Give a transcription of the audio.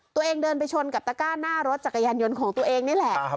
ตัวเองเดินไปชนกับตะก้าหน้ารถจักรยานยนต์ของตัวเองนี่แหละ